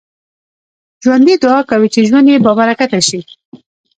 ژوندي دعا کوي چې ژوند يې بابرکته شي